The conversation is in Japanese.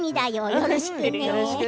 よろしくね。